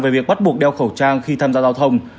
về việc bắt buộc đeo khẩu trang khi tham gia giao thông